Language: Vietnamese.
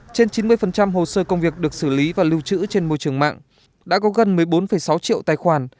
trên chín mươi hồ sơ công việc được xử lý và lưu trữ trên môi trường mạng đã có gần một mươi bốn sáu triệu tài khoản